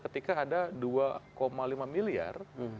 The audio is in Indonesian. ketika ada dua lima miliar